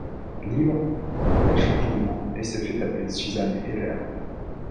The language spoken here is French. Libre, elle change de nom et se fait appeler Susan Heller.